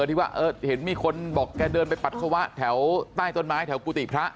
ที่ว่าเห็นมีคนบอกแกเดินไปปัสสาวะแถวใต้ต้นไม้แถวกุฏิพระ